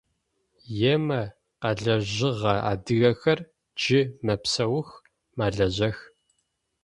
Емэ къялыжьыгъэ адыгэхэр джы мэпсэух, мэлажьэх…